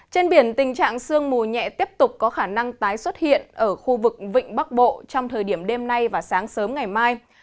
trên biển tình trạng sương mù nhẹ tiếp tục có khả năng tái xuất hiện ở khu vực vịnh bắc bộ trong thời điểm đêm nay và sáng sớm ngày mai